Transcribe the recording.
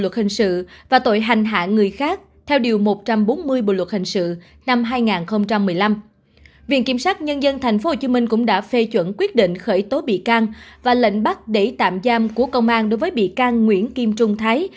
viện kiểm sát nhân dân tp hcm cũng đã phê chuẩn quyết định khởi tố bị can và lệnh bắt để tạm giam của công an đối với bị can nguyễn kim trung thái